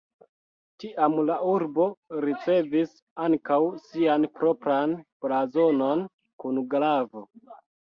Tiam la urbo ricevis ankaŭ sian propran blazonon kun glavo.